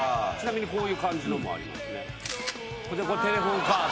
こういう感じのもありますね。